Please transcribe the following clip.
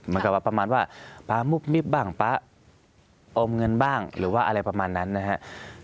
เหมือนกับว่าประมาณว่าป๊ามุบมิบบ้างป๊าโอมเงินบ้างหรือว่าอะไรประมาณนั้นนะครับ